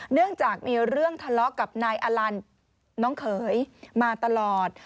เนื่องจากมีเรื่องทะเลาะกับนายอลันน้องเขยมาตลอด